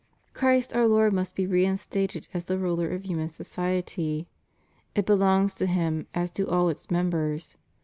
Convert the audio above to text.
Christ our Lord must be reinstated as the Ruler of hiunan society. It belongs to Him, as do all its members.